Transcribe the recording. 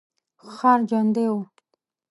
ښار ژوندی و.